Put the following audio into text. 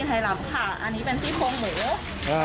อันนี้เป็นสิ่งของหมู